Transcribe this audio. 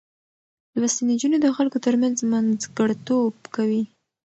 لوستې نجونې د خلکو ترمنځ منځګړتوب کوي.